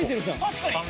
確かに！